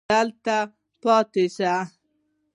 همدلته پاتې سئ.